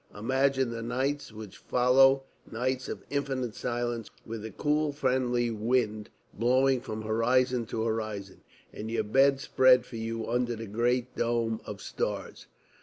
Imagine the nights which follow nights of infinite silence, with a cool friendly wind blowing from horizon to horizon and your bed spread for you under the great dome of stars.